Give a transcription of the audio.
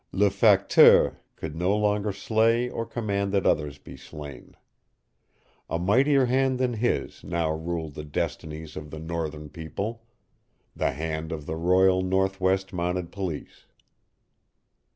LE FACTEUR could no longer slay or command that others be slain. A mightier hand than his now ruled the destinies of the northern people the hand of the Royal Northwest Mounted Police.